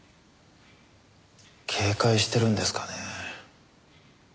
警戒してるんですかね。